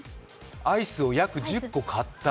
アイスを約１０個買った。